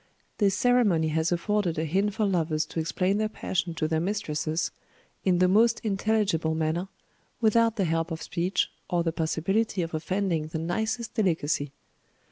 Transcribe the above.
This ceremony has afforded a hint for lovers to explain their passion to their mistresses, in the most intelligible manner, without the help of speech, or the possibility of offending the nicest delicacy.